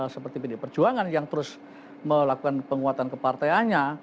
seperti pdi perjuangan yang terus melakukan penguatan kepartaianya